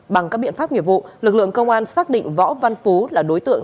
bằng các biện pháp nghiệp vụ lực lượng công an xác định võ văn phú là đối tượng